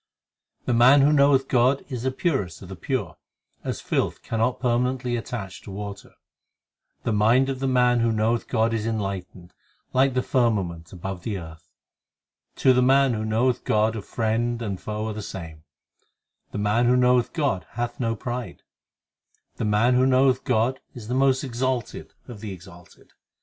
2 2 The man who knoweth God is the purest of the pure, As filth cannot permanently attach to water ; The mind of the man who knoweth God is enlightened, Like the firmament above the earth ; To the man who knoweth God a friend and foe are the same ; The man who knoweth God hath no pride ; The man who knoweth God is the most exalted of the exalted ; 1 That is, no matter what he eats or with whom he associates.